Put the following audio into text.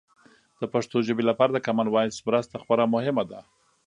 د پښتو ژبې لپاره د کامن وایس مرسته خورا مهمه ده.